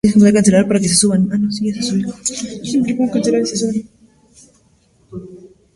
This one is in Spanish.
La maleza se utiliza como cultivo de cobertura en plantaciones de caucho en Malasia.